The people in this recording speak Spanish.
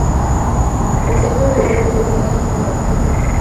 El centro de un anillo viene a ser como "la parte conmutativa del anillo".